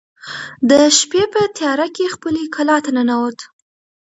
د شپې په تیاره کې خپلې کلا ته ننوت.